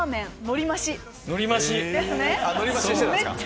のり増しにしてたんですか？